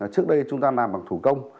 trước đây chúng ta làm bằng thủ công